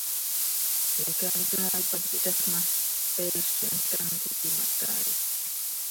Xiica an icaai pac ihtexl ma, peez ihanl chanl hiiqui mahcaail.